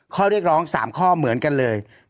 ข้อเรียกร้อง๓ข้อเหมือนกันเลย